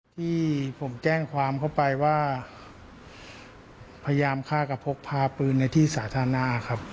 ที่ผมแจ้งความเข้าไปว่าพยายามฆ่ากับพกพาปืนในที่สาธารณะครับ